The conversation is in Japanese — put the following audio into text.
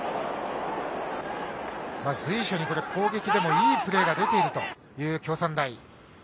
随所に攻撃でもいいプレーが出ているという京産大。